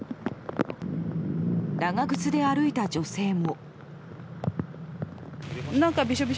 長靴で歩いた女性も。